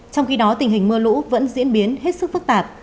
trong khi đó tình hình mưa lũ vẫn diễn biến hết sức phức tạp